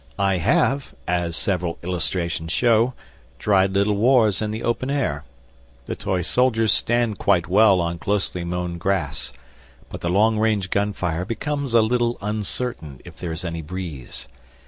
I have (as several illustrations show) tried Little Wars in the open air. The toy soldiers stand quite well on closely mown grass, but the long range gun fire becomes a little uncertain if there is any breeze.